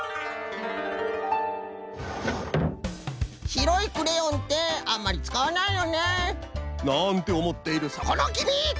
しろいクレヨンってあんまりつかわないよね。なんておもっているそこのきみ！